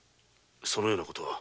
そのような事は。